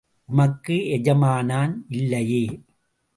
உமக்கு எஜமானன் இல்லையே?